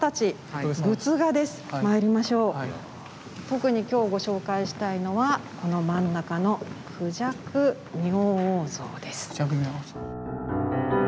特に今日ご紹介したいのはこの真ん中の「孔雀明王像」です。